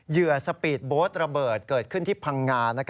เหยื่อสปีดโบ๊ทระเบิดเกิดขึ้นที่พังงาน